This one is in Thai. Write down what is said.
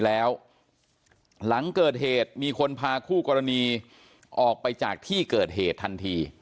แล้วหลังเกิดเหตุมีคนพาคู่กรณีออกไปจากที่เกิดเหตุทันที